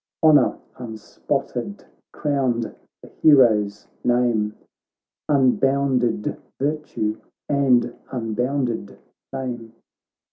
Honour unspotted crowned the hero's name. Unbounded virtue and unbounded fame.